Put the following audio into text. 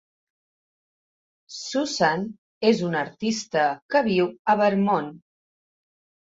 Susan és una artista que viu a Vermont.